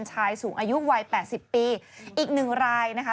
ชายสูงอายุวัย๘๐ปีอีกหนึ่งรายนะคะ